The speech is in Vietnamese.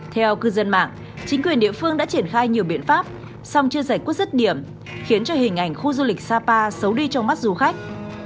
theo cư dân mạng chính quyền địa phương đã triển khai nhiều biện pháp song chưa giải quyết rứt điểm khiến cho hình ảnh khu du lịch sapa xấu đi trong mắt du khách